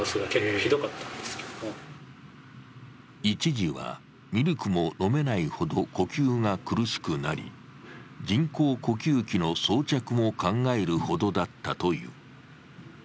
一時はミルクも飲めないほど呼吸が苦しくなり、人工呼吸器の装着も考えるほどだったという。